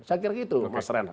saya kira begitu mas ren